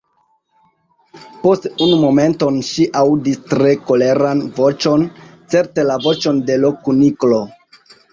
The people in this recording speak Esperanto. Post unu momenton ŝi aŭdis tre koleran voĉon, certe la voĉon de l' Kuniklo.